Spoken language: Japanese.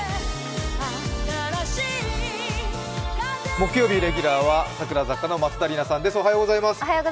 木曜日レギュラーは櫻坂の松田さんです。